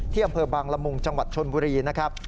อำเภอบางละมุงจังหวัดชนบุรีนะครับ